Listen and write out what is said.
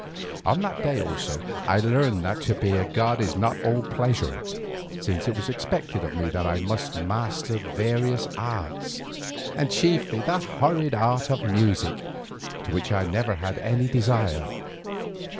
On that day also, I learned that to be a god is not all pleasure, since it was expected of me that I must master various arts, and chiefly the horrid art of music, to which I never had any desire.